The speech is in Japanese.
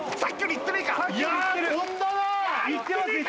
いってます